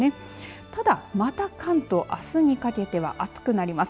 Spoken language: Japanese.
ただ、また関東あすにかけては暑くなります。